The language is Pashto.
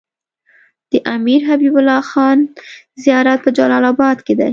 د امير حبيب الله خان زيارت په جلال اباد کی دی